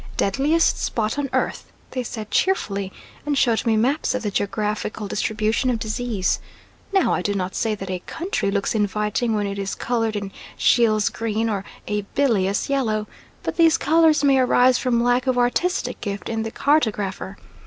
"Deadliest spot on earth," they said cheerfully, and showed me maps of the geographical distribution of disease. Now I do not say that a country looks inviting when it is coloured in Scheele's green or a bilious yellow, but these colours may arise from lack of artistic gift in the cartographer.